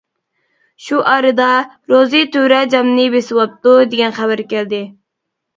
شۇ ئارىدا «روزى تۆرە جامنى بېسىۋاپتۇ» دېگەن خەۋەر كەلدى.